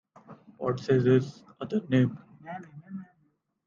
What’s his other name?